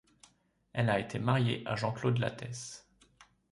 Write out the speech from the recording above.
Elle a été mariée à Jean-Claude Lattès.